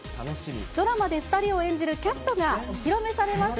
ドラマで２人を演じるキャストがお披露目されました。